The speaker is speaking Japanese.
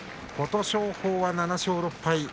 琴勝峰は７勝６敗。